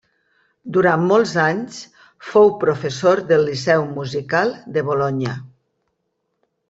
Durant molts anys fou professor del Liceu Musical de Bolonya.